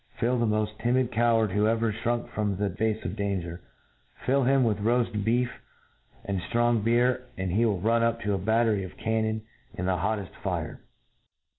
Fill the moft timid coward who ever (hrunk from the face of dange r .■ fill him with roaft beef and ftrong beer, and he will run up to a battery of cannon in the hotteft fire.